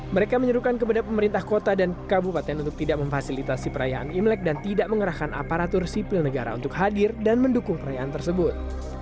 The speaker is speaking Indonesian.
mereka menyuruhkan kepada pemerintah kota dan kabupaten untuk tidak memfasilitasi perayaan imlek dan tidak mengerahkan aparatur sipil negara untuk hadir dan mendukung perayaan tersebut